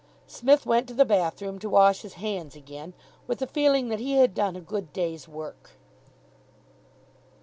Psmith went to the bathroom to wash his hands again, with the feeling that he had done a good day's work.